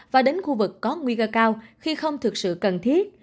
và đến khu vực có nguy cơ cao khi không thực sự cần thiết